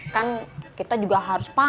kan kita juga harus paham